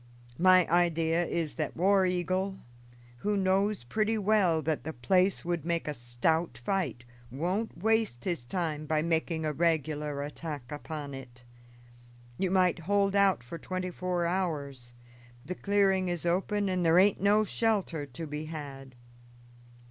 My idea is that War Eagle, who knows pretty well that the place would make a stout fight, won't waste his time by making a regular attack upon it. You might hold out for twenty four hours; the clearing is open and there aint no shelter to be had.